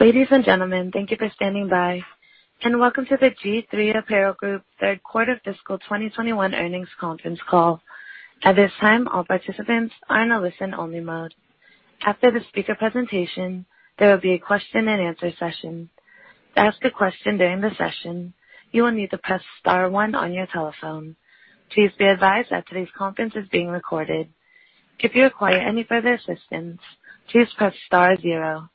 Ladies and gentlemen, thank you for standing by, and welcome to the G-III Apparel Group third quarter fiscal 2021 earnings conference call. At this time, all participants are in a listen-only mode. After the speaker presentation, there will be a question and answer session. To ask a question during the session, you will need to press star one on your telephone. Please be advised that today's conference is being recorded. If you require any further assistance, please press star zero.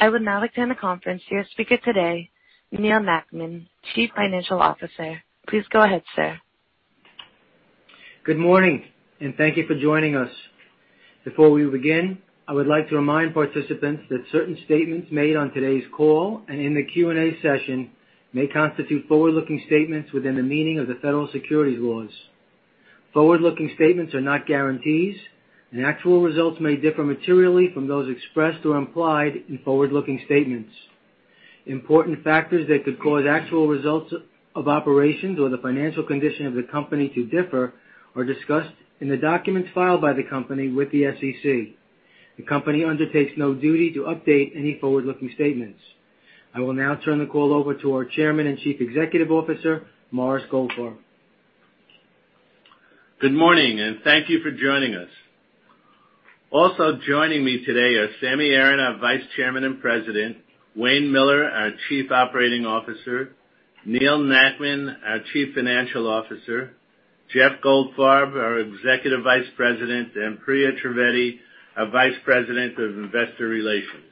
I would now like to hand the conference to your speaker today, Neal Nackman, Chief Financial Officer. Please go ahead, sir. Good morning, and thank you for joining us. Before we begin, I would like to remind participants that certain statements made on today's call and in the Q&A session may constitute forward-looking statements within the meaning of the federal securities laws. Forward-looking statements are not guarantees, and actual results may differ materially from those expressed or implied in forward-looking statements. Important factors that could cause actual results of operations or the financial condition of the company to differ are discussed in the documents filed by the company with the SEC. The company undertakes no duty to update any forward-looking statements. I will now turn the call over to our Chairman and Chief Executive Officer, Morris Goldfarb. Good morning, and thank you for joining us. Also joining me today are Sammy Aaron, our Vice Chairman and President, Wayne Miller, our Chief Operating Officer, Neal Nackman, our Chief Financial Officer, Jeff Goldfarb, our Executive Vice President, and Priya Trivedi, our Vice President of Investor Relations.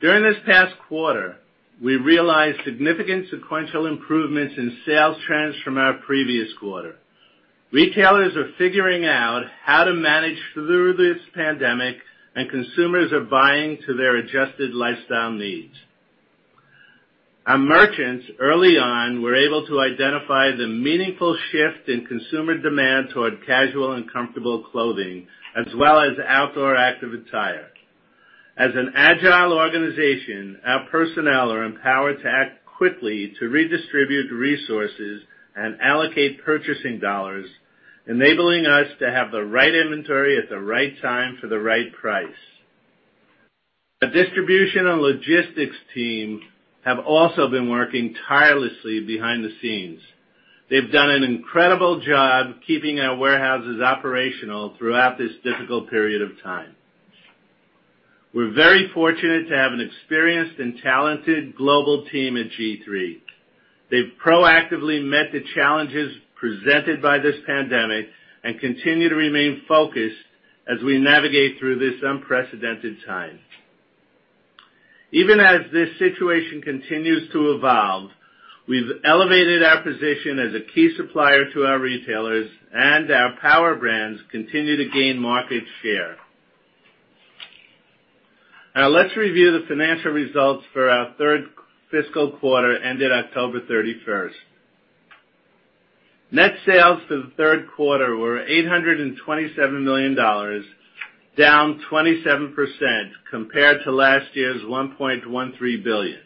During this past quarter, we realized significant sequential improvements in sales trends from our previous quarter. Retailers are figuring out how to manage through this pandemic, and consumers are buying to their adjusted lifestyle needs. Our merchants early on were able to identify the meaningful shift in consumer demand toward casual and comfortable clothing, as well as outdoor active attire. As an agile organization, our personnel are empowered to act quickly to redistribute resources and allocate purchasing dollars, enabling us to have the right inventory at the right time for the right price. Our distribution and logistics team have also been working tirelessly behind the scenes. They've done an incredible job keeping our warehouses operational throughout this difficult period of time. We're very fortunate to have an experienced and talented global team at G-III. They've proactively met the challenges presented by this pandemic and continue to remain focused as we navigate through this unprecedented time. Even as this situation continues to evolve, we've elevated our position as a key supplier to our retailers, and our power brands continue to gain market share. Let's review the financial results for our third fiscal quarter ended October 31st. Net sales for the third quarter were $827 million, down 27% compared to last year's $1.13 billion.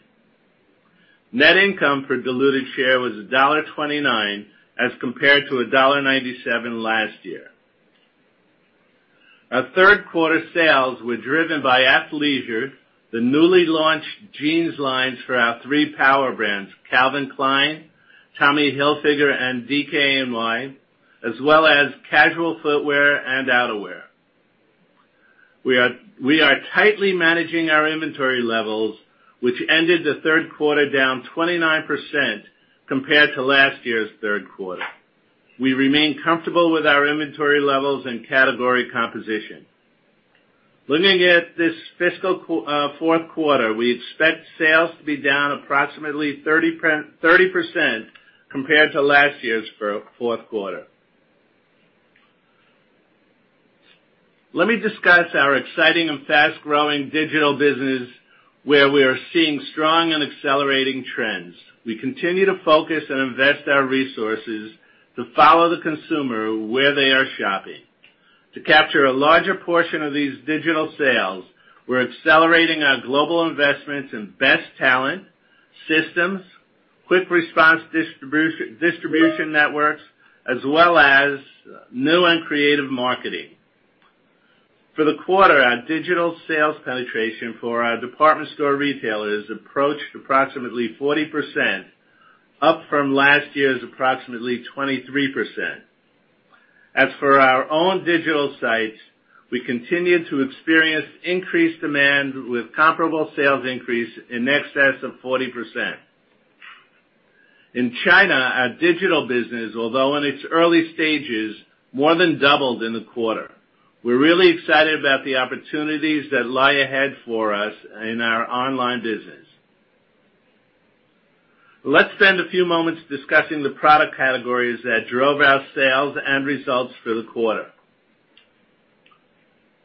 Net income per diluted share was $1.29 as compared to $1.97 last year. Our third quarter sales were driven by athleisure, the newly launched jeans lines for our three power brands, Calvin Klein, Tommy Hilfiger, and DKNY, as well as casual footwear and outerwear. We are tightly managing our inventory levels, which ended the third quarter down 29% compared to last year's third quarter. We remain comfortable with our inventory levels and category composition. Looking at this fiscal fourth quarter, we expect sales to be down approximately 30% compared to last year's fourth quarter. Let me discuss our exciting and fast-growing digital business, where we are seeing strong and accelerating trends. We continue to focus and invest our resources to follow the consumer where they are shopping. To capture a larger portion of these digital sales, we're accelerating our global investments in best talent, systems, quick response distribution networks, as well as new and creative marketing. For the quarter, our digital sales penetration for our department store retailers approached approximately 40%, up from last year's approximately 23%. As for our own digital sites, we continue to experience increased demand with comparable sales increase in excess of 40%. In China, our digital business, although in its early stages, more than doubled in the quarter. We're really excited about the opportunities that lie ahead for us in our online business. Let's spend a few moments discussing the product categories that drove our sales and results for the quarter.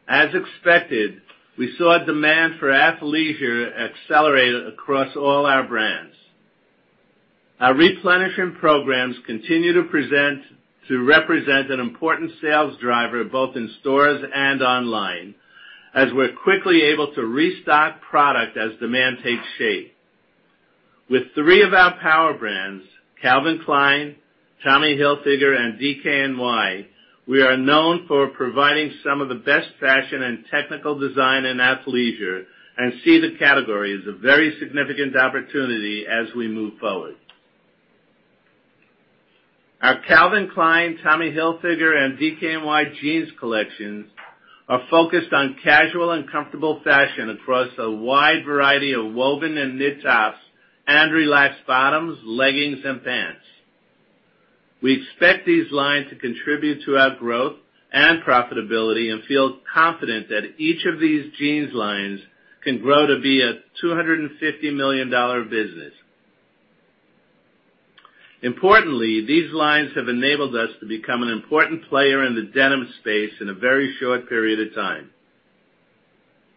As expected, we saw demand for athleisure accelerate across all our brands. Our replenishing programs continue to represent an important sales driver both in stores and online, as we're quickly able to restock product as demand takes shape. With three of our power brands, Calvin Klein, Tommy Hilfiger, and DKNY, we are known for providing some of the best fashion and technical design in athleisure, and see the category as a very significant opportunity as we move forward. Our Calvin Klein, Tommy Hilfiger, and DKNY jeans collections are focused on casual and comfortable fashion across a wide variety of woven and knit tops, and relaxed bottoms, leggings, and pants. We expect these lines to contribute to our growth and profitability and feel confident that each of these jeans lines can grow to be a $250 million business. Importantly, these lines have enabled us to become an important player in the denim space in a very short period of time.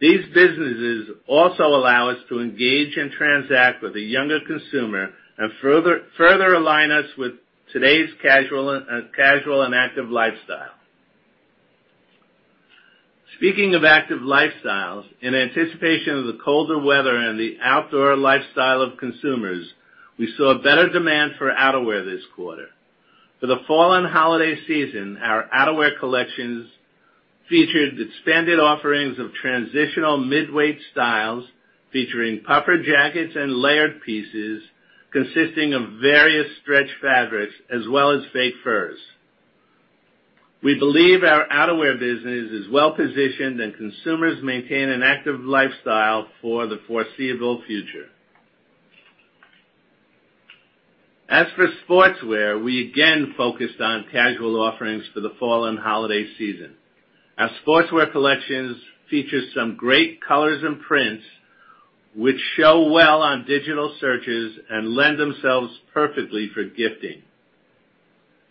These businesses also allow us to engage and transact with the younger consumer and further align us with today's casual and active lifestyle. Speaking of active lifestyles, in anticipation of the colder weather and the outdoor lifestyle of consumers, we saw better demand for outerwear this quarter. For the fall and holiday season, our outerwear collections featured expanded offerings of transitional mid-weight styles featuring puffer jackets and layered pieces consisting of various stretch fabrics as well as fake furs. We believe our outerwear business is well-positioned and consumers maintain an active lifestyle for the foreseeable future. As for sportswear, we again focused on casual offerings for the fall and holiday season. Our sportswear collections feature some great colors and prints which show well on digital searches and lend themselves perfectly for gifting.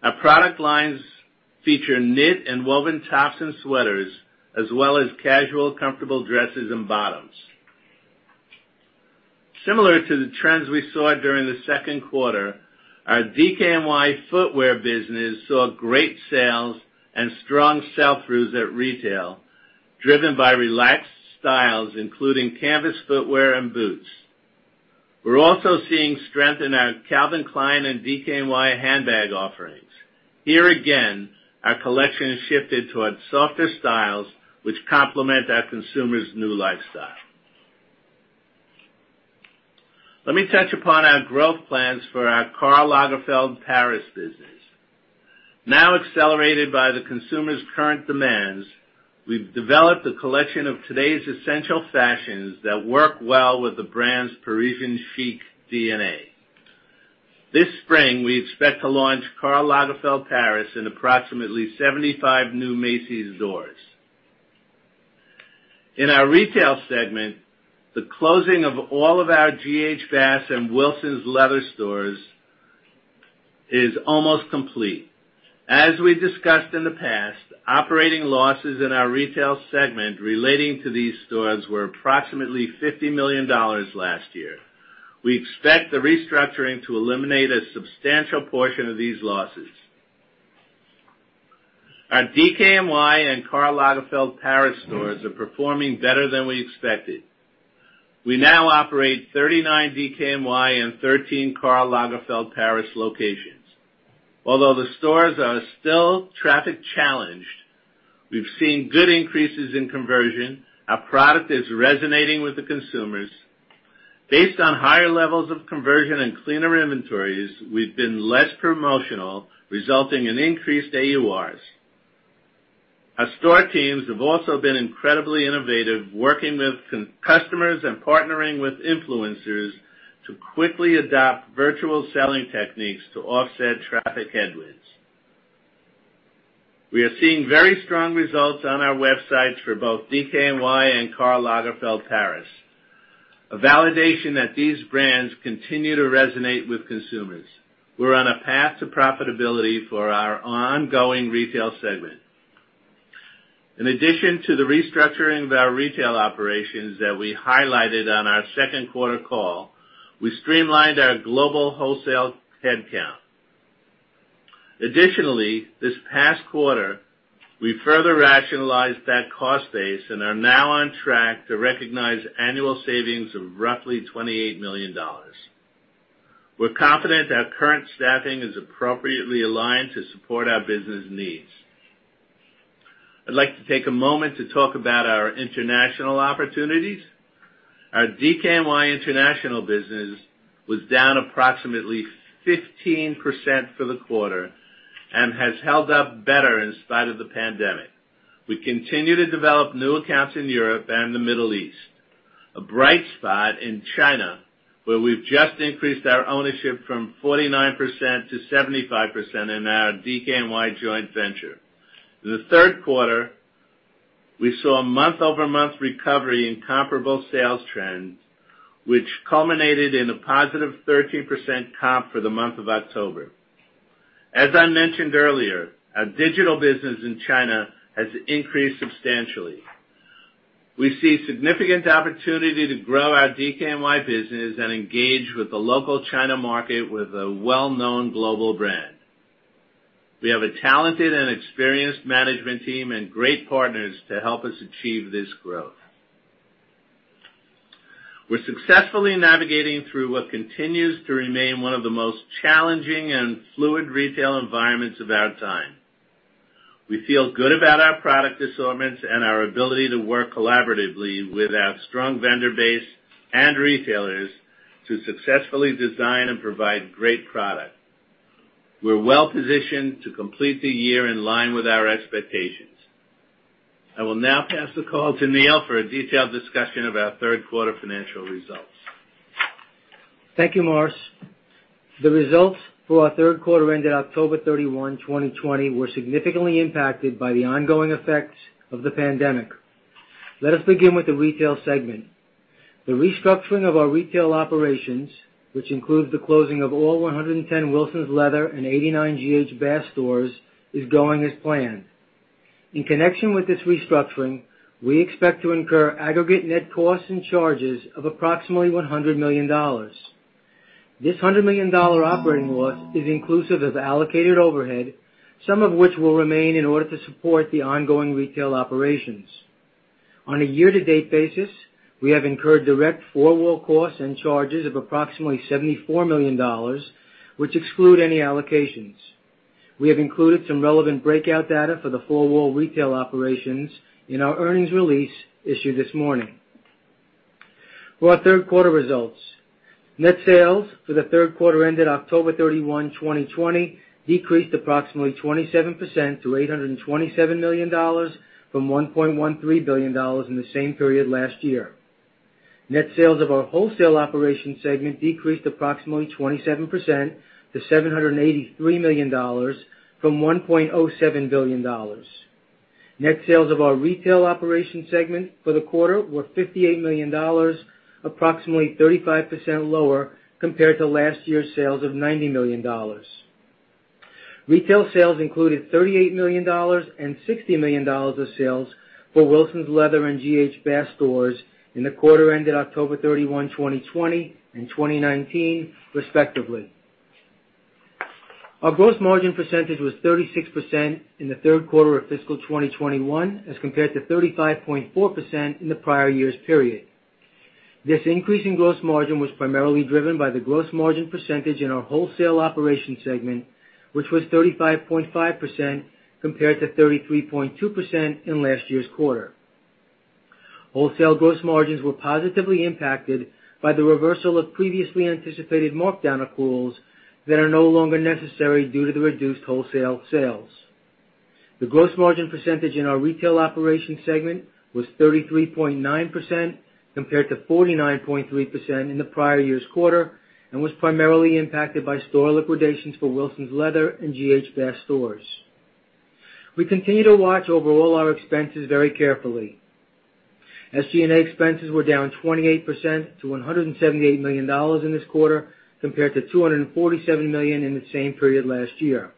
Our product lines feature knit and woven tops and sweaters, as well as casual comfortable dresses and bottoms. Similar to the trends we saw during the second quarter, our DKNY footwear business saw great sales and strong sell-throughs at retail, driven by relaxed styles including canvas footwear and boots. We're also seeing strength in our Calvin Klein and DKNY handbag offerings. Here again, our collection has shifted towards softer styles, which complement our consumers' new lifestyle. Let me touch upon our growth plans for our Karl Lagerfeld Paris business. Now accelerated by the consumers' current demands, we've developed a collection of today's essential fashions that work well with the brand's Parisian-chic DNA. This spring, we expect to launch Karl Lagerfeld Paris in approximately 75 new Macy's stores. In our retail segment, the closing of all of our G.H. Bass and Wilsons Leather stores is almost complete. As we discussed in the past, operating losses in our retail segment relating to these stores were approximately $50 million last year. We expect the restructuring to eliminate a substantial portion of these losses. Our DKNY and Karl Lagerfeld Paris stores are performing better than we expected. We now operate 39 DKNY and 13 Karl Lagerfeld Paris locations. Although the stores are still traffic-challenged, we've seen good increases in conversion. Our product is resonating with the consumers. Based on higher levels of conversion and cleaner inventories, we've been less promotional, resulting in increased AURs. Our store teams have also been incredibly innovative, working with customers and partnering with influencers to quickly adopt virtual selling techniques to offset traffic headwinds. We are seeing very strong results on our websites for both DKNY and Karl Lagerfeld Paris, a validation that these brands continue to resonate with consumers. We're on a path to profitability for our ongoing retail segment. In addition to the restructuring of our retail operations that we highlighted on our second quarter call, we streamlined our global wholesale headcount. Additionally, this past quarter, we further rationalized that cost base and are now on track to recognize annual savings of roughly $28 million. We're confident our current staffing is appropriately aligned to support our business needs. I'd like to take a moment to talk about our international opportunities. Our DKNY International business was down approximately 15% for the quarter and has held up better in spite of the pandemic. We continue to develop new accounts in Europe and the Middle East. A bright spot in China, where we've just increased our ownership from 49% to 75% in our DKNY joint venture. In the third quarter, we saw a month-over-month recovery in comparable sales trends, which culminated in a positive 13% comp for the month of October. As I mentioned earlier, our digital business in China has increased substantially. We see significant opportunity to grow our DKNY business and engage with the local China market with a well-known global brand. We have a talented and experienced management team and great partners to help us achieve this growth. We're successfully navigating through what continues to remain one of the most challenging and fluid retail environments of our time. We feel good about our product assortments and our ability to work collaboratively with our strong vendor base and retailers to successfully design and provide great product. We're well-positioned to complete the year in line with our expectations. I will now pass the call to Neal for a detailed discussion of our third quarter financial results. Thank you, Morris. The results for our third quarter ended October 31, 2020, were significantly impacted by the ongoing effects of the pandemic. Let us begin with the retail segment. The restructuring of our retail operations, which includes the closing of all 110 Wilsons Leather and 89 G.H. Bass stores, is going as planned. In connection with this restructuring, we expect to incur aggregate net costs and charges of approximately $100 million. This $100-million operating loss is inclusive of allocated overhead, some of which will remain in order to support the ongoing retail operations. On a year-to-date basis, we have incurred direct four-wall costs and charges of approximately $74 million, which exclude any allocations. We have included some relevant breakout data for the four-wall retail operations in our earnings release issued this morning. For our third quarter results, net sales for the third quarter ended October 31, 2020, decreased approximately 27% to $827 million from $1.13 billion in the same period last year. Net sales of our wholesale operation segment decreased approximately 27% to $783 million from $1.07 billion. Net sales of our retail operation segment for the quarter were $58 million, approximately 35% lower compared to last year's sales of $90 million. Retail sales included $38 million and $60 million of sales for Wilsons Leather and G.H. Bass stores in the quarter ended October 31, 2020, and 2019 respectively. Our gross margin percentage was 36% in the third quarter of fiscal 2021 as compared to 35.4% in the prior year's period. This increase in gross margin was primarily driven by the gross margin percentage in our wholesale operation segment, which was 35.5% compared to 33.2% in last year's quarter. Wholesale gross margins were positively impacted by the reversal of previously anticipated markdown accruals that are no longer necessary due to the reduced wholesale sales. The gross margin percentage in our retail operation segment was 33.9% compared to 49.3% in the prior year's quarter and was primarily impacted by store liquidations for Wilsons Leather and G.H. Bass stores. We continue to watch over all our expenses very carefully. SG&A expenses were down 28% to $178 million in this quarter, compared to $247 million in the same period last year.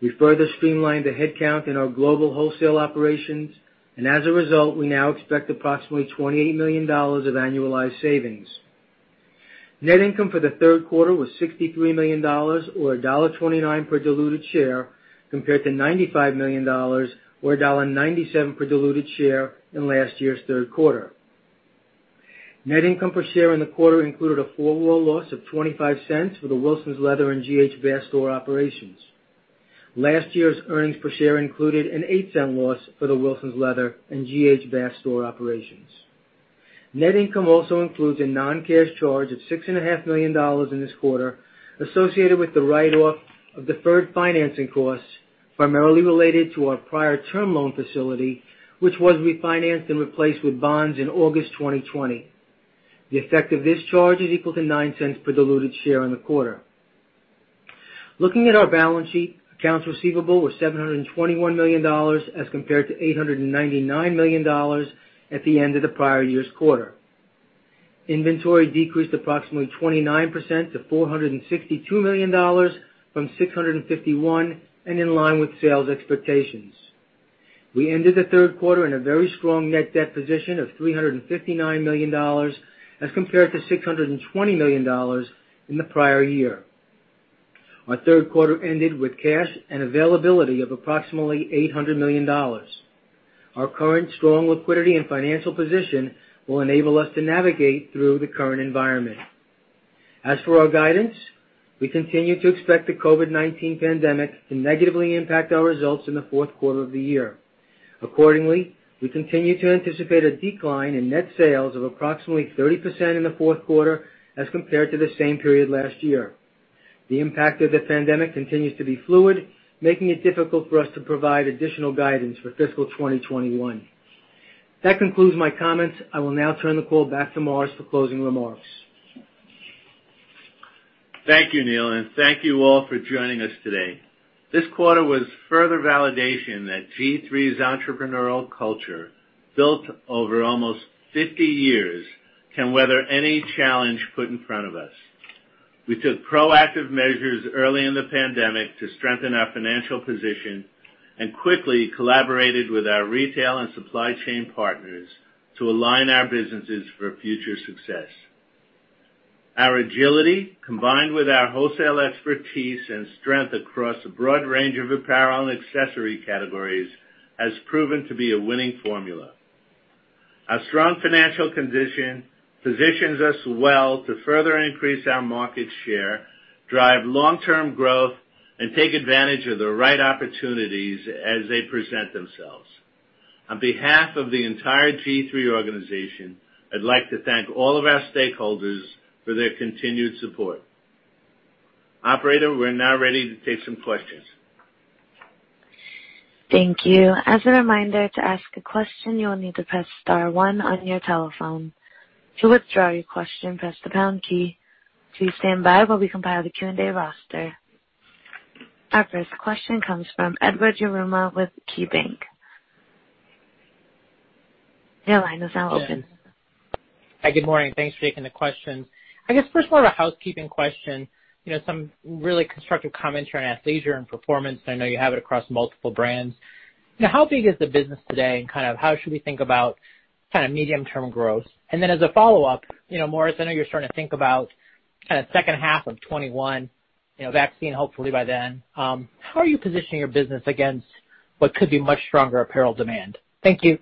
We further streamlined the headcount in our global wholesale operations, and as a result, we now expect approximately $28 million of annualized savings. Net income for the third quarter was $63 million, or $1.29 per diluted share, compared to $95 million, or $1.97 per diluted share in last year's third quarter. Net income per share in the quarter included a four-wall loss of $0.25 for the Wilsons Leather and G.H. Bass store operations. Last year's earnings per share included an $0.08 loss for the Wilsons Leather and G.H. Bass store operations. Net income also includes a non-cash charge of $6.5 million in this quarter associated with the write-off of deferred financing costs, primarily related to our prior term loan facility, which was refinanced and replaced with bonds in August 2020. The effect of this charge is equal to $0.09 per diluted share in the quarter. Looking at our balance sheet, accounts receivable was $721 million as compared to $899 million at the end of the prior year's quarter. Inventory decreased approximately 29% to $462 million from $651 million and in line with sales expectations. We ended the third quarter in a very strong net debt position of $359 million as compared to $620 million in the prior year. Our third quarter ended with cash and availability of approximately $800 million. Our current strong liquidity and financial position will enable us to navigate through the current environment. As for our guidance, we continue to expect the COVID-19 pandemic to negatively impact our results in the fourth quarter of the year. Accordingly, we continue to anticipate a decline in net sales of approximately 30% in the fourth quarter as compared to the same period last year. The impact of the pandemic continues to be fluid, making it difficult for us to provide additional guidance for fiscal 2021. That concludes my comments. I will now turn the call back to Morris for closing remarks. Thank you, Neal, and thank you all for joining us today. This quarter was further validation that G-III's entrepreneurial culture, built over almost 50 years, can weather any challenge put in front of us. We took proactive measures early in the pandemic to strengthen our financial position and quickly collaborated with our retail and supply chain partners to align our businesses for future success. Our agility, combined with our wholesale expertise and strength across a broad range of apparel and accessory categories, has proven to be a winning formula. Our strong financial condition positions us well to further increase our market share, drive long-term growth, and take advantage of the right opportunities as they present themselves. On behalf of the entire G-III organization, I'd like to thank all of our stakeholders for their continued support. Operator, we're now ready to take some questions. Thank you. As a reminder, to ask a question, you will need to press star one on your telephone. To withdraw your question, press the pound key. Please stand by while we compile the Q&A roster. Our first question comes from Edward Yruma with KeyBanc. Your line is now open. Hi, good morning. Thanks for taking the questions. First of all, a housekeeping question. Some really constructive comments here on athleisure and performance, and I know you have it across multiple brands. How big is the business today, and how should we think about medium-term growth? As a follow-up, Morris, I know you're starting to think about second half of 2021, vaccine hopefully by then. How are you positioning your business against what could be much stronger apparel demand? Thank you.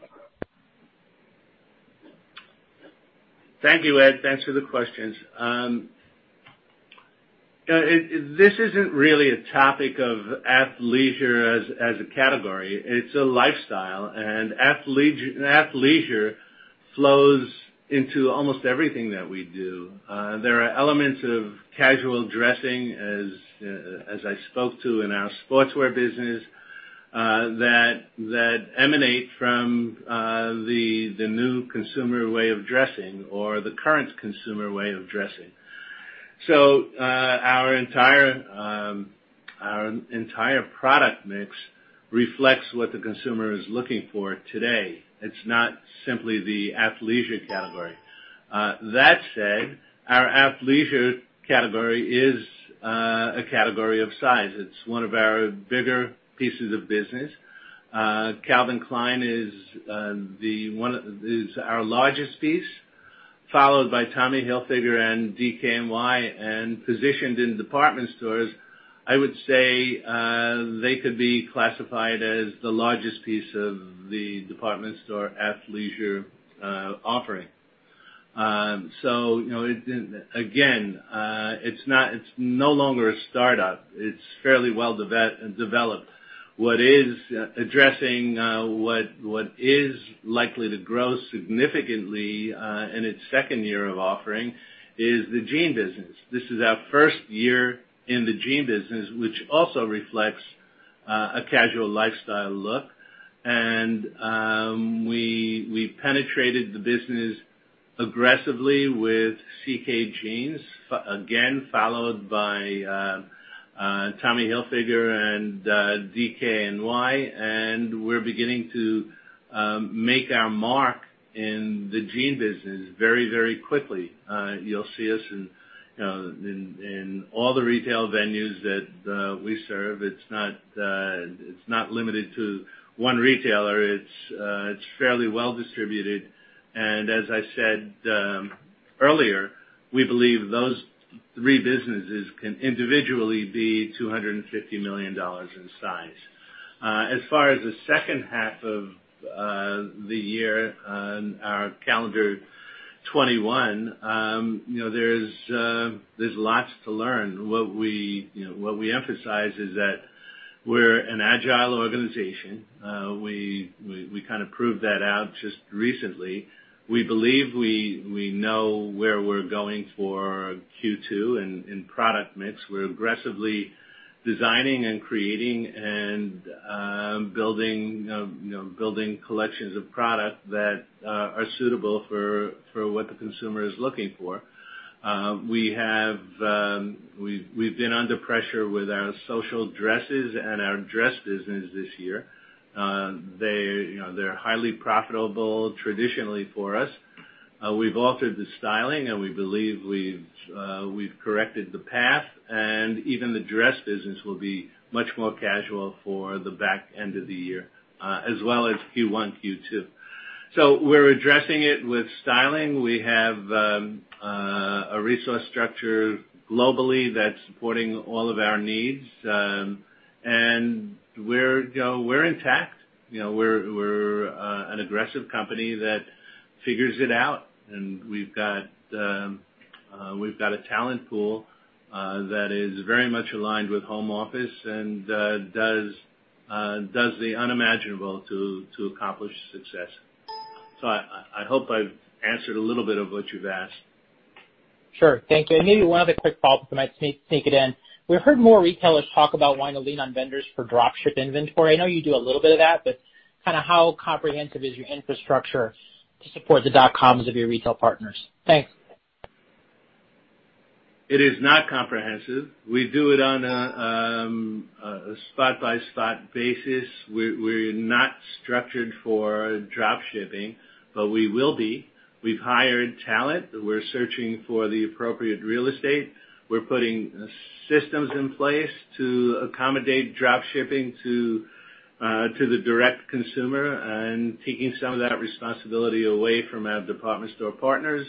Thank you, Ed. Thanks for the questions. This isn't really a topic of athleisure as a category. It's a lifestyle. Athleisure flows into almost everything that we do. There are elements of casual dressing, as I spoke to in our sportswear business, that emanate from the new consumer way of dressing or the current consumer way of dressing. Our entire product mix reflects what the consumer is looking for today. It's not simply the athleisure category. That said, our athleisure category is a category of size. It's one of our bigger pieces of business. Calvin Klein is our largest piece, followed by Tommy Hilfiger and DKNY, and positioned in department stores. I would say they could be classified as the largest piece of the department store athleisure offering. Again, it's no longer a startup. It's fairly well developed. What is addressing what is likely to grow significantly in its second year of offering is the jean business. This is our first year in the jean business, which also reflects a casual lifestyle look. We penetrated the business aggressively with CK Jeans, again, followed by Tommy Hilfiger and DKNY. We're beginning to make our mark in the jean business very quickly. You'll see us in all the retail venues that we serve. It's not limited to one retailer. It's fairly well distributed. As I said earlier, we believe those three businesses can individually be $250 million in size. As far as the second half of the year, our calendar 2021, there's lots to learn. What we emphasize is that we're an agile organization. We kind of proved that out just recently. We believe we know where we're going for Q2 in product mix. We're aggressively designing and creating and building collections of product that are suitable for what the consumer is looking for. We've been under pressure with our social dresses and our dress business this year. They're highly profitable traditionally for us. We've altered the styling, and we believe we've corrected the path, and even the dress business will be much more casual for the back end of the year, as well as Q1, Q2. We're addressing it with styling. We have a resource structure globally that's supporting all of our needs. We're intact. We're an aggressive company that figures it out, and we've got a talent pool that is very much aligned with home office and does the unimaginable to accomplish success. I hope I've answered a little bit of what you've asked. Sure. Thank you. Maybe one other quick follow-up, if I might sneak it in. We heard more retailers talk about wanting to lean on vendors for drop ship inventory. I know you do a little bit of that, but how comprehensive is your infrastructure to support the dot-coms of your retail partners? Thanks. It is not comprehensive. We do it on a spot-by-spot basis. We're not structured for drop shipping, but we will be. We've hired talent. We're searching for the appropriate real estate. We're putting systems in place to accommodate drop shipping to the direct consumer and taking some of that responsibility away from our department store partners,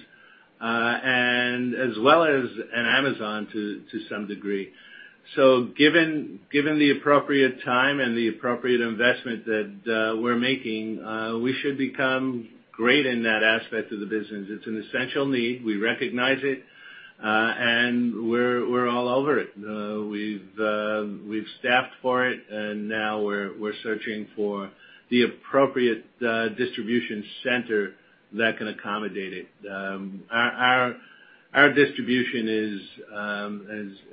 and as well as Amazon, to some degree. Given the appropriate time and the appropriate investment that we're making, we should become great in that aspect of the business. It's an essential need. We recognize it, and we're all over it. We've staffed for it, and now we're searching for the appropriate distribution center that can accommodate it. Our distribution,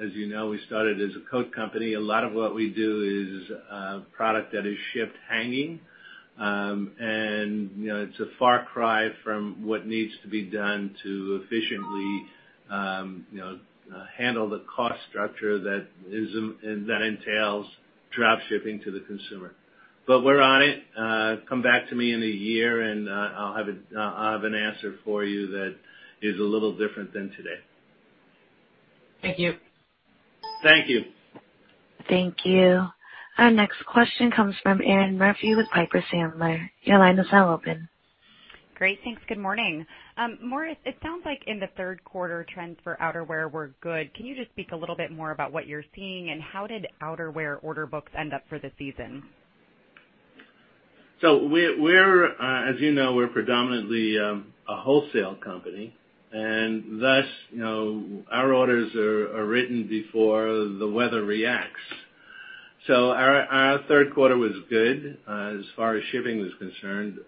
as you know, we started as a coat company. A lot of what we do is product that is shipped hanging. It's a far cry from what needs to be done to efficiently handle the cost structure that entails drop shipping to the consumer. We're on it. Come back to me in a year and I'll have an answer for you that is a little different than today. Thank you. Thank you. Thank you. Our next question comes from Erinn Murphy with Piper Sandler. Your line is now open. Great. Thanks. Good morning. Morris, it sounds like in the third quarter, trends for outerwear were good. Can you just speak a little bit more about what you're seeing, and how did outerwear order books end up for the season? As you know, we're predominantly a wholesale company, and thus, our orders are written before the weather reacts. Our third quarter was good as far as shipping was concerned.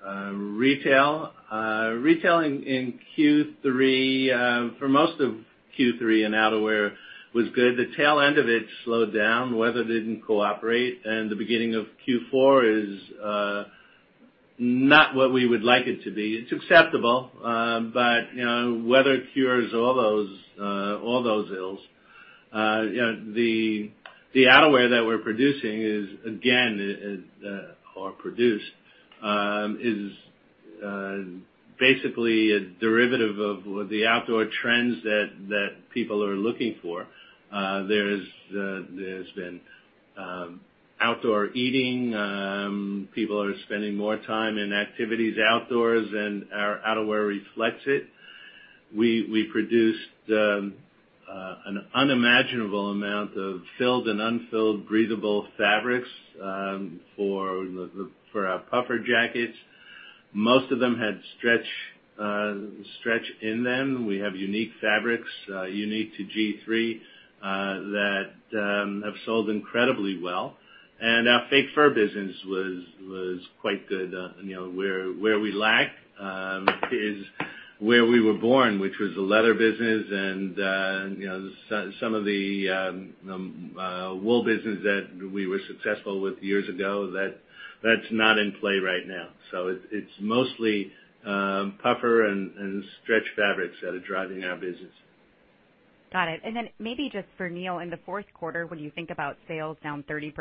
Retail in Q3, for most of Q3, and outerwear was good. The tail end of it slowed down. Weather didn't cooperate, and the beginning of Q4 is not what we would like it to be. It's acceptable. Weather cures all those ills. The outerwear that we're producing or produced, is basically a derivative of the outdoor trends that people are looking for. There's been outdoor eating. People are spending more time in activities outdoors, and our outerwear reflects it. We produced an unimaginable amount of filled and unfilled breathable fabrics for our puffer jackets. Most of them had stretch in them. We have unique fabrics, unique to G-III, that have sold incredibly well. Our fake fur business was quite good. Where we lack is where we were born, which was the leather business and some of the wool business that we were successful with years ago. That's not in play right now. It's mostly puffer and stretch fabrics that are driving our business. Got it. Maybe just for Neal, in the fourth quarter, when you think about sales down 30%,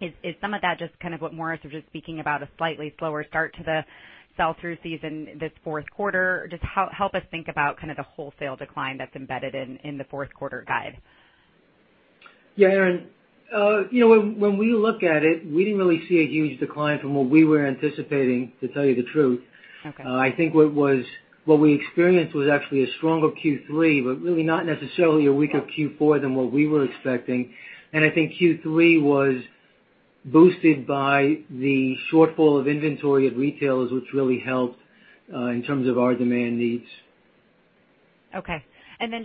is some of that just kind of what Morris was just speaking about, a slightly slower start to the sell-through season this fourth quarter? Just help us think about kind of the wholesale decline that's embedded in the fourth quarter guide. Yeah, Erinn. When we look at it, we didn't really see a huge decline from what we were anticipating, to tell you the truth. Okay. I think what we experienced was actually a stronger Q3, but really not necessarily a weaker Q4 than what we were expecting. I think Q3 was boosted by the shortfall of inventory at retailers, which really helped in terms of our demand needs. Okay.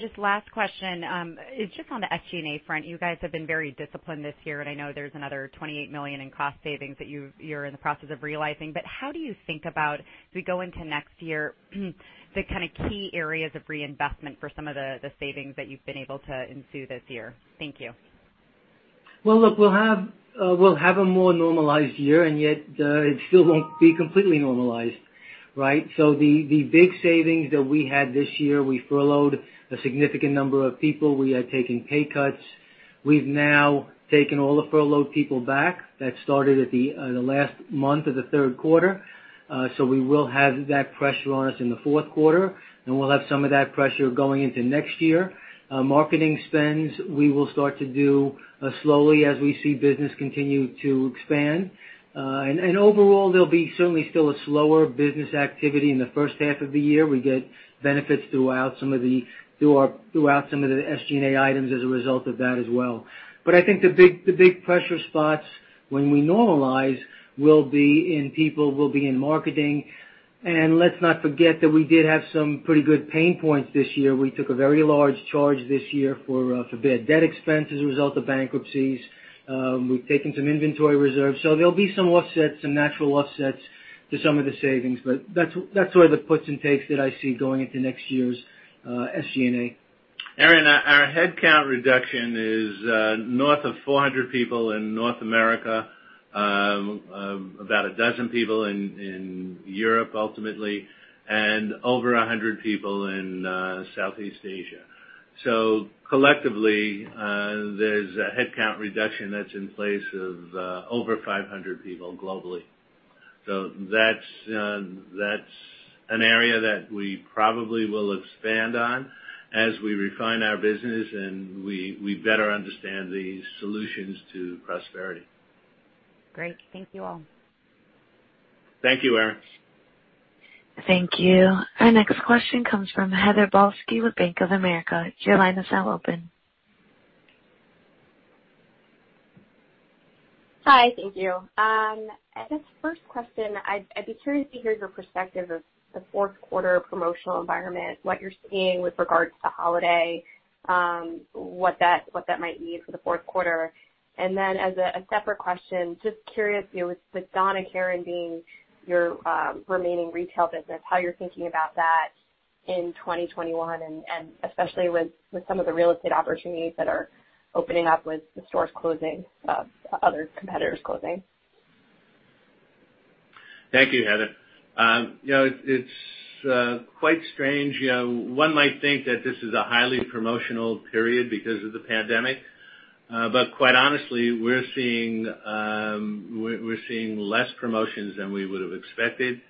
Just last question. It's just on the SG&A front. You guys have been very disciplined this year, and I know there's another $28 million in cost savings that you're in the process of realizing. But how do you think about, as we go into next year, the kind of key areas of reinvestment for some of the savings that you've been able to ensue this year? Thank you. Well, look, we'll have a more normalized year, yet it still won't be completely normalized, right? The big savings that we had this year, we furloughed a significant number of people. We are taking pay cuts. We've now taken all the furloughed people back. That started at the last month of the third quarter. We will have that pressure on us in the fourth quarter, and we'll have some of that pressure going into next year. Marketing spends, we will start to do slowly as we see business continue to expand. Overall, there'll be certainly still a slower business activity in the first half of the year. We get benefits throughout some of the SG&A items as a result of that as well. I think the big pressure spots when we normalize will be in people, will be in marketing. Let's not forget that we did have some pretty good pain points this year. We took a very large charge this year for bad debt expense as a result of bankruptcies. We've taken some inventory reserves. There'll be some offsets, some natural offsets to some of the savings. That's where the puts and takes that I see going into next year's SG&A. Erinn, our headcount reduction is north of 400 people in North America, about a dozen people in Europe, ultimately, and over 100 people in Southeast Asia. Collectively, there's a headcount reduction that's in place of over 500 people globally. That's an area that we probably will expand on as we refine our business and we better understand the solutions to prosperity. Great. Thank you all. Thank you, Erinn. Thank you. Our next question comes from Heather Balsky with Bank of America. Your line is now open. Hi. Thank you. I guess first question, I'd be curious to hear your perspective of the fourth quarter promotional environment, what you're seeing with regards to holiday, what that might mean for the fourth quarter. As a separate question, just curious, with Donna Karan being your remaining retail business, how you're thinking about that in 2021 and especially with some of the real estate opportunities that are opening up with the stores closing, other competitors closing. Thank you, Heather. It's quite strange. One might think that this is a highly promotional period because of the pandemic. Quite honestly, we're seeing less promotions than we would have expected.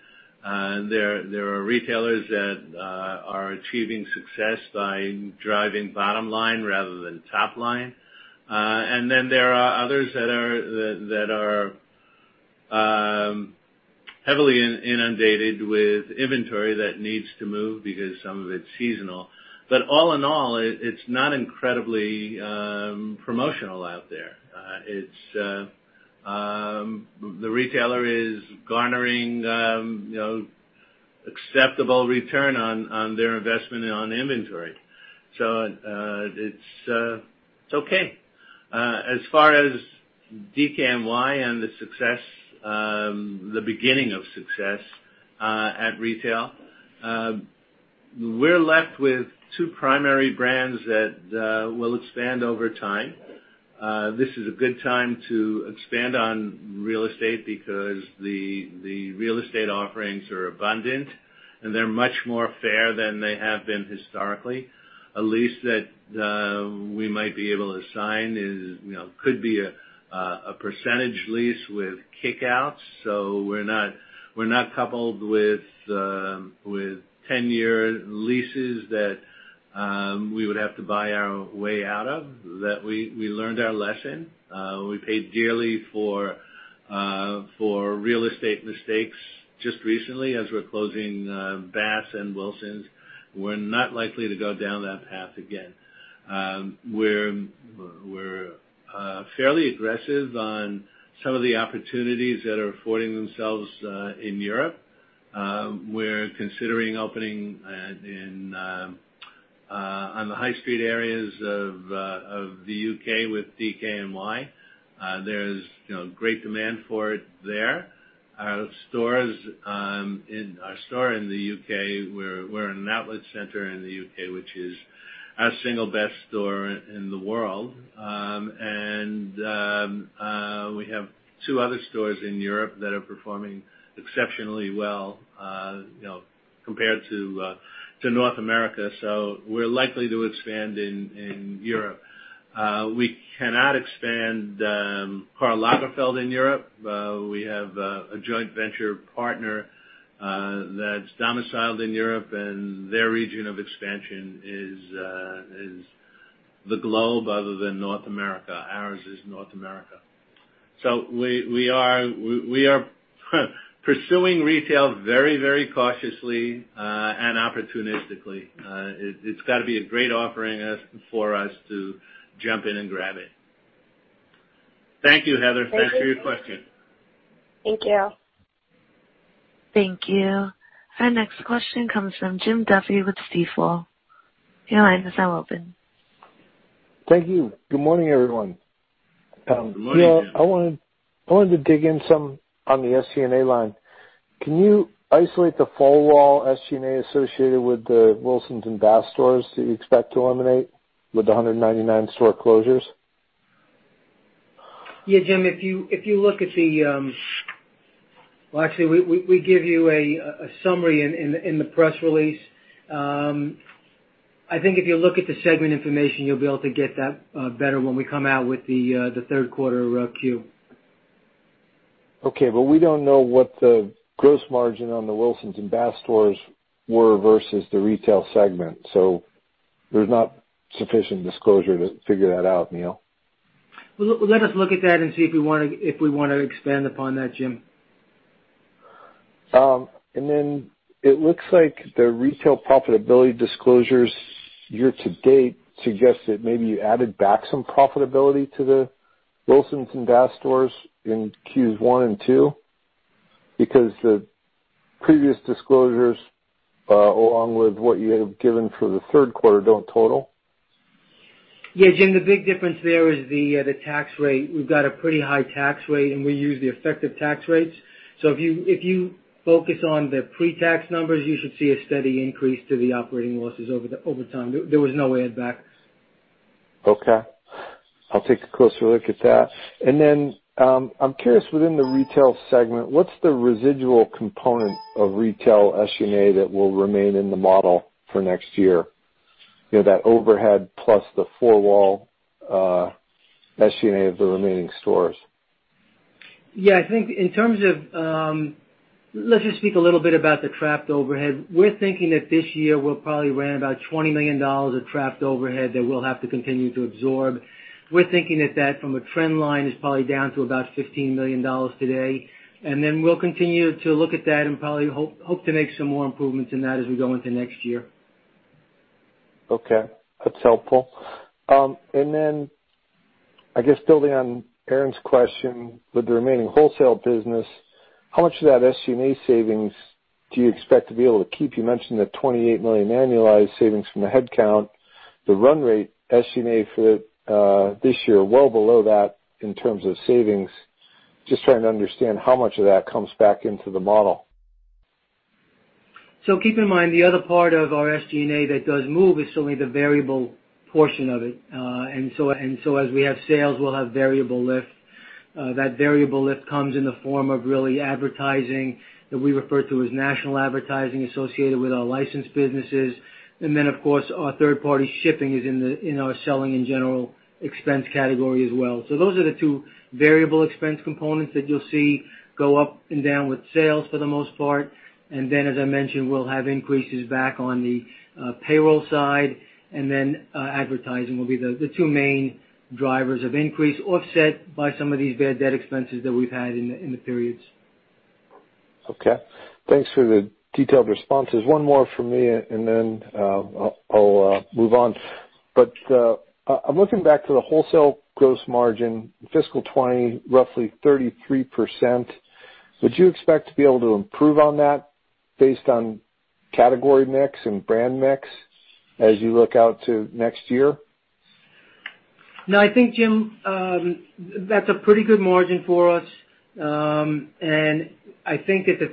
There are retailers that are achieving success by driving bottom line rather than top line. Then there are others that are heavily inundated with inventory that needs to move because some of it's seasonal. All in all, it's not incredibly promotional out there. The retailer is garnering acceptable return on their investment on inventory. It's okay. As far as DKNY and the success, the beginning of success, at retail. We're left with two primary brands that will expand over time. This is a good time to expand on real estate because the real estate offerings are abundant, and they're much more fair than they have been historically. A lease that we might be able to sign could be a percentage lease with kick-outs, so we're not coupled with 10-year leases that we would have to buy our way out of, that we learned our lesson. We paid dearly for real estate mistakes just recently as we're closing Bass and Wilsons. We're not likely to go down that path again. We're fairly aggressive on some of the opportunities that are affording themselves in Europe. We're considering opening on the high street areas of the U.K. with DKNY. There's great demand for it there. Our store in the U.K., we're in an outlet center in the U.K., which is our single best store in the world. We have two other stores in Europe that are performing exceptionally well compared to North America. We're likely to expand in Europe. We cannot expand Karl Lagerfeld in Europe. We have a joint venture partner that's domiciled in Europe, and their region of expansion is the globe other than North America. Ours is North America. We are pursuing retail very cautiously and opportunistically. It's got to be a great offering for us to jump in and grab it. Thank you, Heather. Thanks for your question. Thank you. Thank you. Our next question comes from Jim Duffy with Stifel. Your line is now open. Thank you. Good morning, everyone. Good morning, Jim. Neal, I wanted to dig in some on the SG&A line. Can you isolate the four-wall SG&A associated with the Wilsons and Bass stores that you expect to eliminate with the 199 store closures? Yeah, Jim, actually, we give you a summary in the press release. I think if you look at the segment information, you'll be able to get that better when we come out with the third quarter Q. Okay. We don't know what the gross margin on the Wilsons and Bass stores were versus the retail segment. There's not sufficient disclosure to figure that out, Neal. Let us look at that and see if we want to expand upon that, Jim. It looks like the retail profitability disclosures year to date suggest that maybe you added back some profitability to the Wilsons and Bass stores in Qs one and two, because the previous disclosures, along with what you have given for the third quarter, don't total. Yeah, Jim, the big difference there is the tax rate. We've got a pretty high tax rate, and we use the effective tax rates. If you focus on the pre-tax numbers, you should see a steady increase to the operating losses over time. There was no add back. Okay. I'll take a closer look at that. I'm curious, within the retail segment, what's the residual component of retail SG&A that will remain in the model for next year? That overhead plus the four-wall SG&A of the remaining stores. Yeah. Let's just speak a little bit about the trapped overhead. We're thinking that this year we'll probably run about $20 million of trapped overhead that we'll have to continue to absorb. We're thinking that that, from a trend line, is probably down to about $15 million today, and then we'll continue to look at that and probably hope to make some more improvements in that as we go into next year. Okay. That's helpful. I guess building on Erinn's question, with the remaining wholesale business, how much of that SG&A savings do you expect to be able to keep? You mentioned the $28 million annualized savings from the headcount. The run rate SG&A for this year, well below that in terms of savings. Just trying to understand how much of that comes back into the model. Keep in mind, the other part of our SG&A that does move is solely the variable portion of it. As we have sales, we'll have variable lift. That variable lift comes in the form of really advertising that we refer to as national advertising associated with our licensed businesses. Of course, our third-party shipping is in our selling and general expense category as well. Those are the two variable expense components that you'll see go up and down with sales for the most part. As I mentioned, we'll have increases back on the payroll side, and then advertising will be the two main drivers of increase, offset by some of these bad debt expenses that we've had in the periods. Okay. Thanks for the detailed responses. One more from me, and then I'll move on. I'm looking back to the wholesale gross margin, fiscal 2020, roughly 33%. Would you expect to be able to improve on that based on category mix and brand mix as you look out to next year? No, I think, Jim, that's a pretty good margin for us. I think that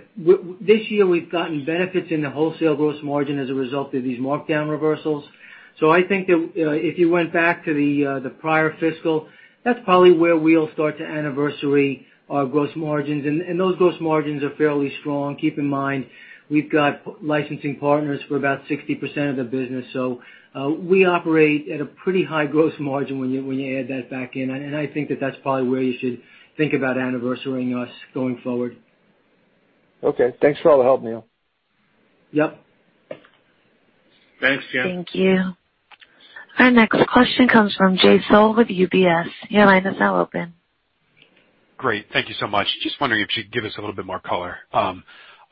this year we've gotten benefits in the wholesale gross margin as a result of these markdown reversals. I think that if you went back to the prior fiscal, that's probably where we'll start to anniversary our gross margins. Those gross margins are fairly strong. Keep in mind, we've got licensing partners for about 60% of the business, so we operate at a pretty high gross margin when you add that back in, and I think that that's probably where you should think about anniversarying us going forward. Okay. Thanks for all the help, Neal. Yep. Thanks, Jim. Thank you. Our next question comes from Jay Sole with UBS. Your line is now open. Great. Thank you so much. Just wondering if you'd give us a little bit more color on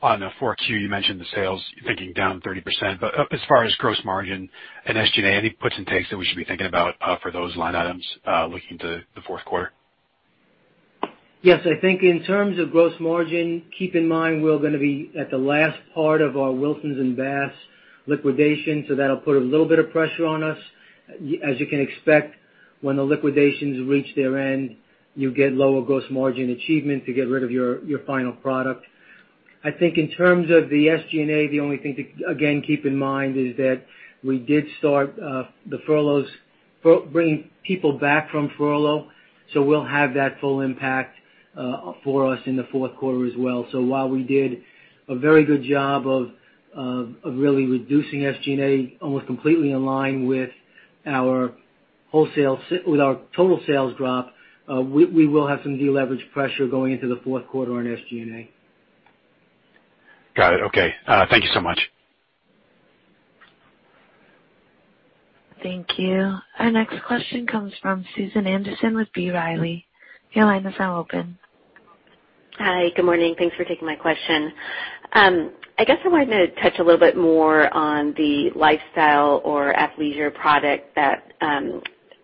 the four Q. You mentioned the sales, you're thinking down 30%, as far as gross margin and SG&A, any puts and takes that we should be thinking about for those line items looking to the fourth quarter? Yes. I think in terms of gross margin, keep in mind, we're gonna be at the last part of our Wilsons and Bass liquidation, so that'll put a little bit of pressure on us. As you can expect, when the liquidations reach their end, you get lower gross margin achievement to get rid of your final product. I think in terms of the SG&A, the only thing to, again, keep in mind is that we did start bringing people back from furlough. We'll have that full impact for us in the fourth quarter as well. While we did a very good job of really reducing SG&A almost completely in line with our total sales drop, we will have some deleverage pressure going into the fourth quarter on SG&A. Got it. Okay. Thank you so much. Thank you. Our next question comes from Susan Anderson with B. Riley. Your line is now open. Hi. Good morning. Thanks for taking my question. I guess I wanted to touch a little bit more on the lifestyle or athleisure product that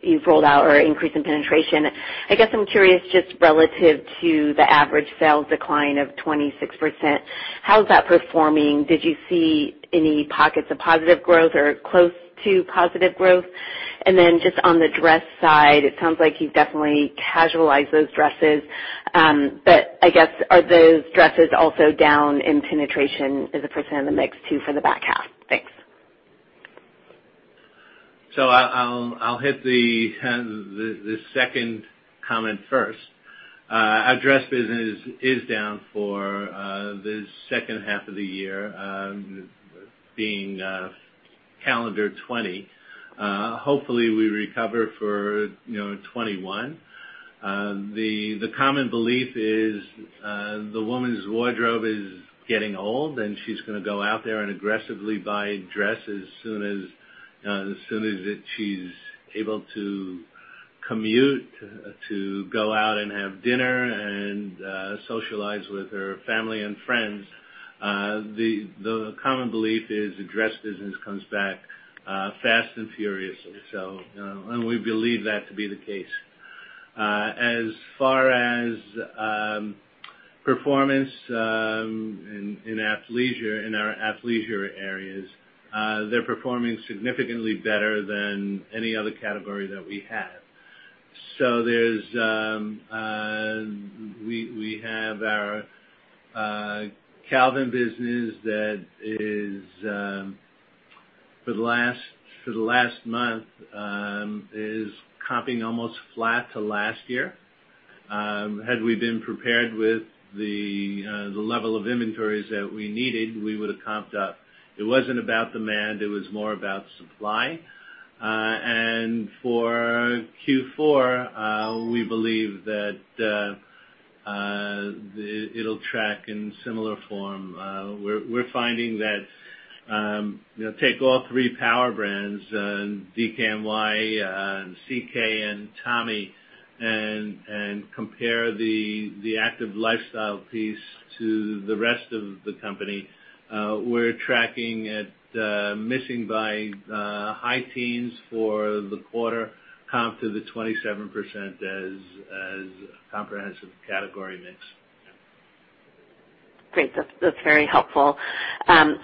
you've rolled out or increase in penetration. I guess I'm curious, just relative to the average sales decline of 26%, how is that performing? Did you see any pockets of positive growth or close to positive growth? Then just on the dress side, it sounds like you've definitely casualized those dresses. I guess, are those dresses also down in penetration as a percent of the mix too for the back half? Thanks. I'll hit the second comment first. Our dress business is down for the second half of the year, being calendar 2020. Hopefully, we recover for 2021. The common belief is the woman's wardrobe is getting old, and she's gonna go out there and aggressively buy dresses as soon as she's able to commute to go out and have dinner and socialize with her family and friends. The common belief is the dress business comes back fast and furiously. We believe that to be the case. As far as performance in our athleisure areas, they're performing significantly better than any other category that we have. We have our Calvin business that is, for the last month, is comping almost flat to last year. Had we been prepared with the level of inventories that we needed, we would've comped up. It wasn't about demand, it was more about supply. For Q4, we believe that it'll track in similar form. We're finding that, take all three power brands, DKNY, CK, and Tommy, and compare the active lifestyle piece to the rest of the company. We're tracking at missing by high teens for the quarter comp to the 27% as comprehensive category mix. Great. That's very helpful. I'm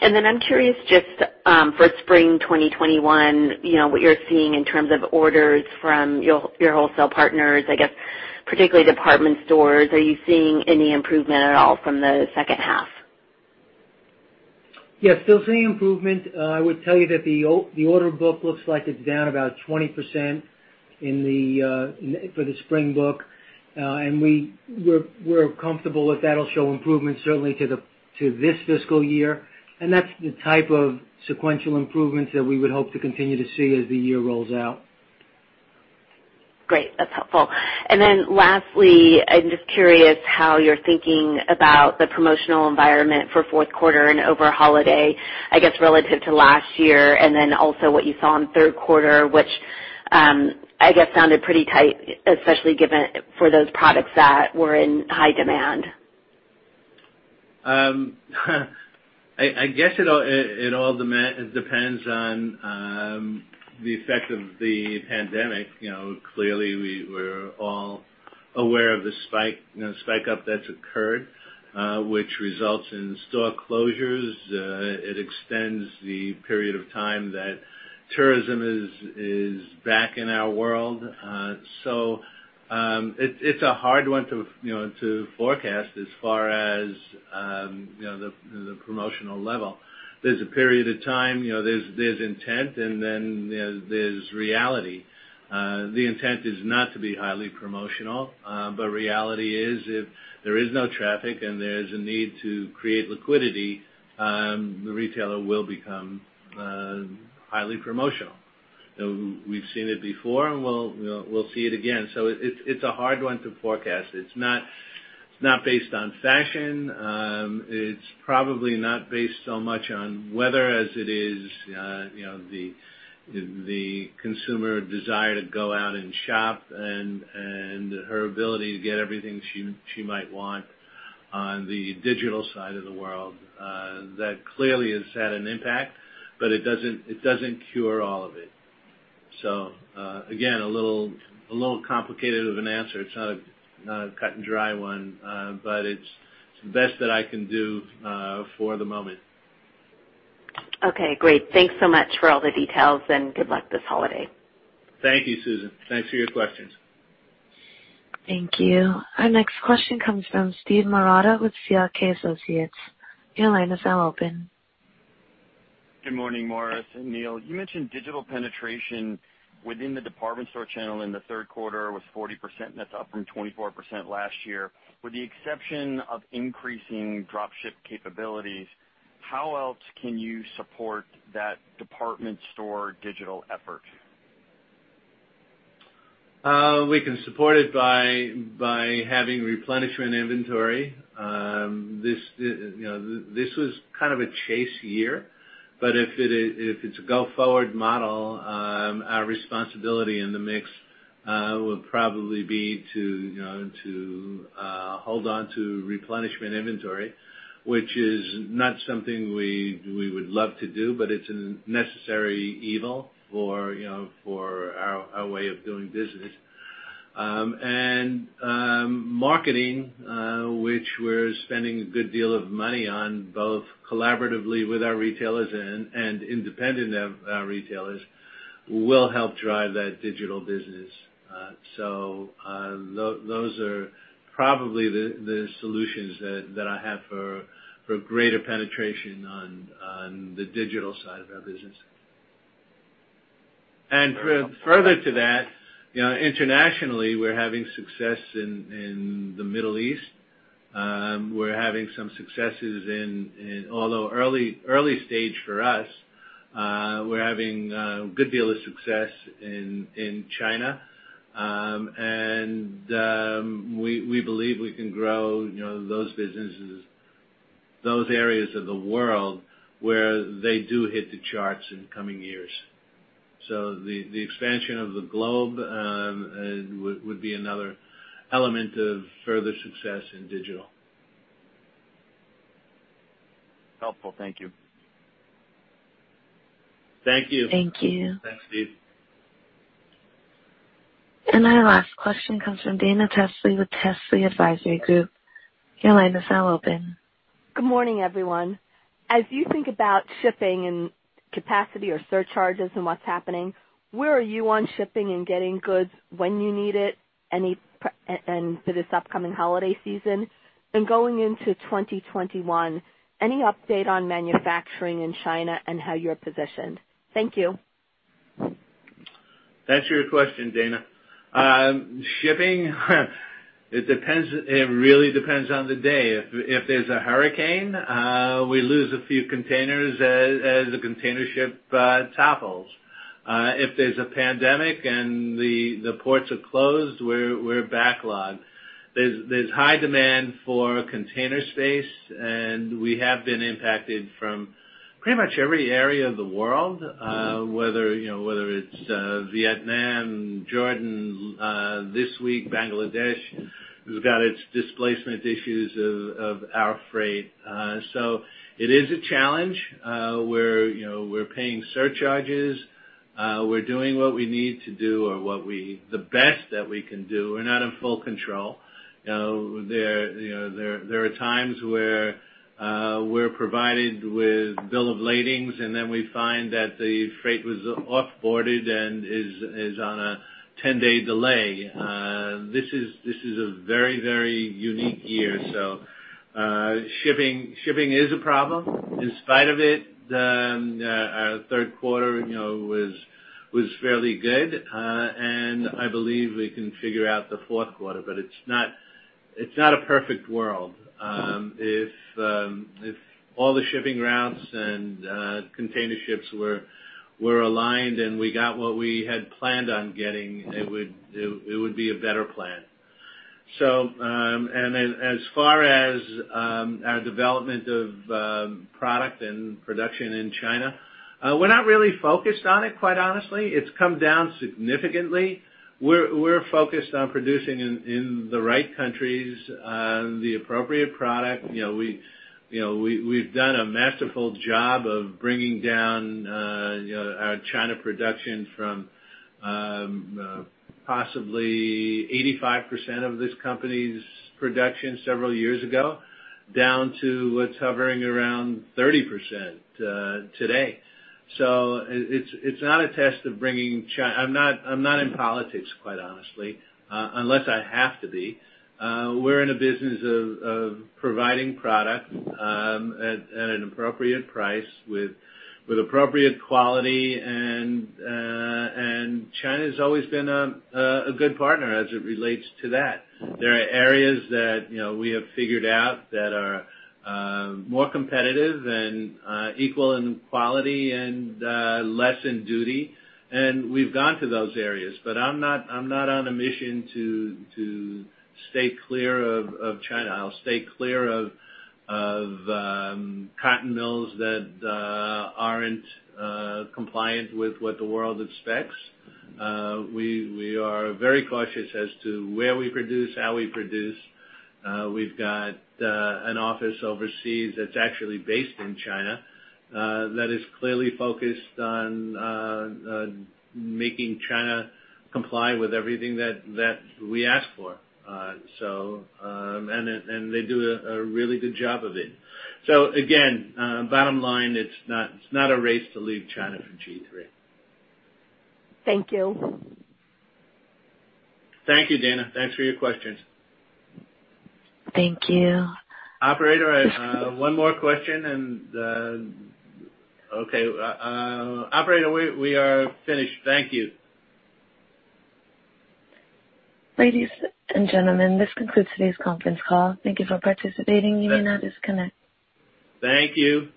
curious, just for spring 2021, what you're seeing in terms of orders from your wholesale partners, I guess particularly department stores. Are you seeing any improvement at all from the second half? Yes. Still seeing improvement. I would tell you that the order book looks like it's down about 20% for the spring book. We're comfortable that that'll show improvement certainly to this fiscal year. That's the type of sequential improvements that we would hope to continue to see as the year rolls out. Great. That's helpful. Lastly, I'm just curious how you're thinking about the promotional environment for fourth quarter and over holiday, I guess, relative to last year, and then also what you saw in third quarter, which I guess sounded pretty tight, especially for those products that were in high demand. I guess it all depends on the effect of the pandemic. Clearly, we're all aware of the spike up that's occurred, which results in store closures. It extends the period of time that tourism is back in our world. It's a hard one to forecast as far as the promotional level. There's a period of time, there's intent and then there's reality. The intent is not to be highly promotional, but reality is, if there is no traffic and there's a need to create liquidity, the retailer will become highly promotional. We've seen it before, and we'll see it again. It's a hard one to forecast. It's not based on fashion. It's probably not based so much on weather as it is the consumer desire to go out and shop and her ability to get everything she might want on the digital side of the world. That clearly has had an impact, it doesn't cure all of it. Again, a little complicated of an answer. It's not a cut and dry one, it's the best that I can do for the moment. Okay, great. Thanks so much for all the details and good luck this holiday. Thank you, Susan. Thanks for your questions. Thank you. Our next question comes from Steve Marotta with C.L. King & Associates. Good morning, Morris and Neal. You mentioned digital penetration within the department store channel in the third quarter was 40%, and that's up from 24% last year. With the exception of increasing drop ship capabilities, how else can you support that department store digital effort? We can support it by having replenishment inventory. This was kind of a chase year, but if it's a go-forward model, our responsibility in the mix will probably be to hold on to replenishment inventory, which is not something we would love to do, but it's a necessary evil for our way of doing business. Marketing, which we're spending a good deal of money on, both collaboratively with our retailers and independent of our retailers, will help drive that digital business. Those are probably the solutions that I have for greater penetration on the digital side of our business. Further to that, internationally, we're having success in the Middle East. We're having some successes in, although early stage for us, we're having a good deal of success in China. We believe we can grow those businesses, those areas of the world where they do hit the charts in coming years. The expansion of the globe would be another element of further success in digital. Helpful. Thank you. Thank you. Thank you. Thanks, Steve. Our last question comes from Dana Telsey with Telsey Advisory Group. Your line is now open. Good morning, everyone. As you think about shipping and capacity or surcharges and what's happening, where are you on shipping and getting goods when you need it for this upcoming holiday season? Going into 2021, any update on manufacturing in China and how you're positioned? Thank you. That's your question, Dana. Shipping? It really depends on the day. If there's a hurricane, we lose a few containers as the container ship topples. If there's a pandemic and the ports are closed, we're backlogged. There's high demand for container space, and we have been impacted from pretty much every area of the world, whether it's Vietnam, Jordan. This week, Bangladesh has got its displacement issues of our freight. It is a challenge. We're paying surcharges. We're doing what we need to do or the best that we can do. We're not in full control. There are times where we're provided with bills of lading, and then we find that the freight was off-boarded and is on a 10-day delay. This is a very unique year. Shipping is a problem. In spite of it, our third quarter was fairly good. I believe we can figure out the fourth quarter, but it's not a perfect world. If all the shipping routes and container ships were aligned and we got what we had planned on getting, it would be a better plan. As far as our development of product and production in China, we're not really focused on it, quite honestly. It's come down significantly. We're focused on producing in the right countries, the appropriate product. We've done a masterful job of bringing down our China production from possibly 85% of this company's production several years ago, down to what's hovering around 30% today. It's not a test of bringing China. I'm not in politics, quite honestly, unless I have to be. We're in a business of providing product at an appropriate price with appropriate quality, and China's always been a good partner as it relates to that. There are areas that we have figured out that are more competitive and equal in quality and less in duty, and we've gone to those areas. I'm not on a mission to stay clear of China. I'll stay clear of cotton mills that aren't compliant with what the world expects. We are very cautious as to where we produce, how we produce. We've got an office overseas that's actually based in China that is clearly focused on making China comply with everything that we ask for. They do a really good job of it. Again, bottom line, it's not a race to leave China for G-III. Thank you. Thank you, Dana. Thanks for your questions. Thank you. Operator, one more question and, okay. Operator, we are finished. Thank you. Ladies and gentlemen, this concludes today's conference call. Thank you for participating. You may now disconnect. Thank you.